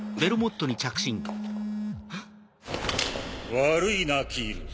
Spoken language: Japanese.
悪いなキール。